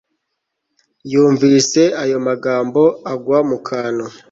yumvise ayo magambo agwa mukantu